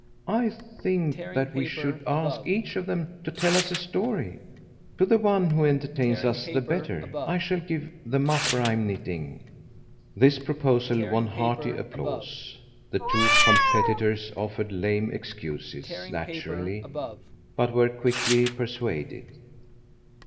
I think that we should ask each of them to tell us a story. To the one who entertains us the better I shall give the muffler I am knitting." This proposal won hearty applause. The two competitors offered lame excuses, naturally, but were quickly persuaded.